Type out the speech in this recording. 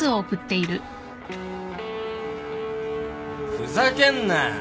・ふざけんな！